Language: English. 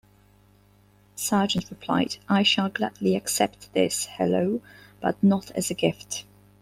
Sargent replied, I shall gladly accept this, Helleu, but not as a gift.